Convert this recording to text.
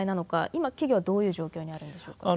今企業はどういう状況にあるんでしょうか。